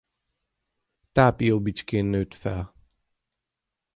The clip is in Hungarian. Tápióbicskén nőtt fel.